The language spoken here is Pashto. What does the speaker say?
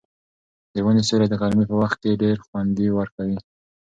د ونې سیوری د غرمې په وخت کې ډېر خوند ورکوي.